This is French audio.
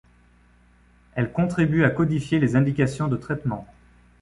Elle contribue à codifier les indications de traitement.